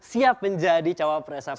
siap menjadi cawapres paganjar